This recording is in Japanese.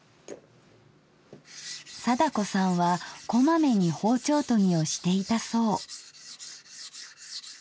貞子さんはこまめに包丁研ぎをしていたそう。